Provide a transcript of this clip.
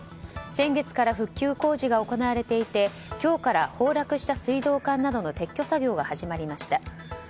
先月から復旧工事が行われていて今日から崩落した水道管などの撤去作業が始まりました。